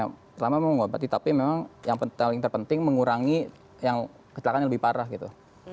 selama mengobati tapi memang yang paling terpenting mengurangi yang kesalahannya lebih parah gitu